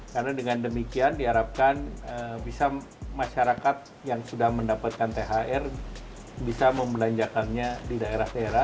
karena dengan demikian diharapkan bisa masyarakat yang sudah mendapatkan thr bisa membelanjakannya di daerah lain